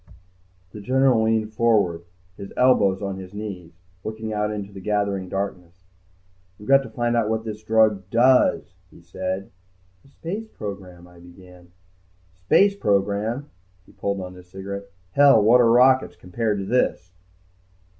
The general leaned forward, his elbows on his knees, looking out into the gathering darkness. "We've got to find out what this drug does," he said. "The space program ..." I began. "Space program?" He pulled on his cigarette. "Hell. What are rockets, compared to this?"